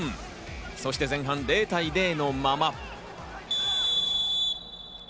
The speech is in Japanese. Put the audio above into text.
そして前半は０対０のまま。